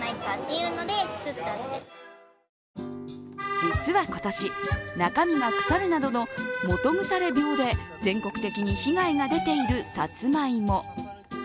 実は今年、中身が腐るなどの基腐病で全国的に被害が出ているさつまいも。